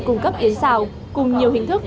cung cấp yến xào cùng nhiều hình thức